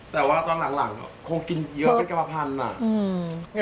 แต่ว่าตอนหลังคงกินเยอะกับเก้าปัญหา